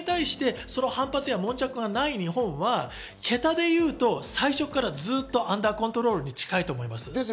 悶着がない日本は桁でいうと、最初からずっとアンダーコントロールに近いと思います。